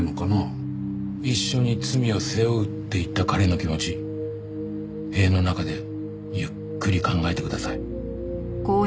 「一緒に罪を背負う」って言った彼の気持ち塀の中でゆっくり考えてください。